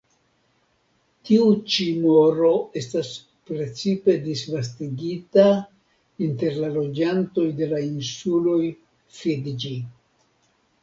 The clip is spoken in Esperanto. Tiu ĉi moro estas precipe disvastigita inter la loĝantoj de la insuloj Fidĝi.